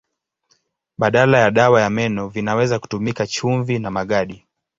Badala ya dawa ya meno vinaweza kutumika chumvi na magadi.